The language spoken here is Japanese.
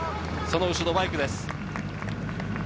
その後ろはバイクです。